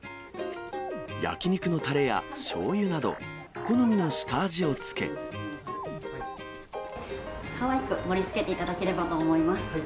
焼き肉のたれやしょうゆなど、かわいく盛りつけていただければと思います。